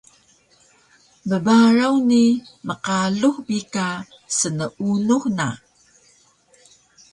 Bbaraw ni mqalux bi ka sneunux na